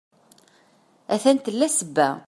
A-t-an tella ssebba.